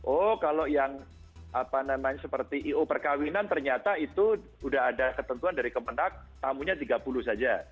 oh kalau yang apa namanya seperti i o perkawinan ternyata itu sudah ada ketentuan dari kemenang tamunya tiga puluh saja